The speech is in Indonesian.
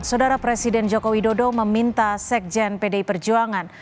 saudara presiden joko widodo meminta sekjen pdi perjuangan